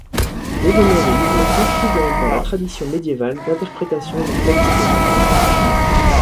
L'évhémérisme s'inscrit donc dans la tradition médiévale d'interprétation des textes antiques.